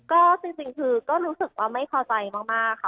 ก็สิ่งคือก็รู้สึกว่าไม่เข้าใจมาก